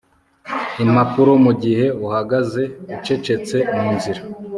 impapuro mugihe uhagaze ucecetse munzira